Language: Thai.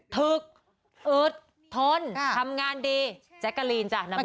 พึกอึดทนทำงานดีแจ๊กกะลีนจ้ะนัมเบอร์วัน